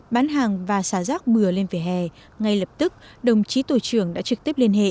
bán hàng và xả rác mưa lên về hè ngay lập tức đồng chí tổ trưởng đã trực tiếp liên hệ